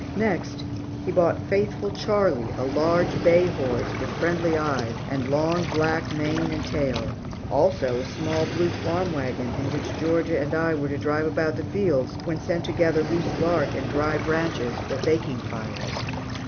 Next, he bought faithful Charlie, a large bay horse, with friendly eyes, and long black mane and tail; also a small blue farm wagon in which Georgia and I were to drive about the fields, when sent to gather loose bark and dry branches for baking fires.